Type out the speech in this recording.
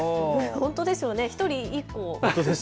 本当ですよね、１人１個。